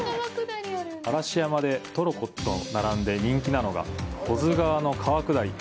嵐山でトロッコと並んで人気なのが保津川の川下り。